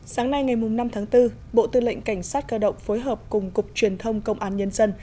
sáng nay ngày năm tháng bốn bộ tư lệnh cảnh sát cơ động phối hợp cùng cục truyền thông công an nhân dân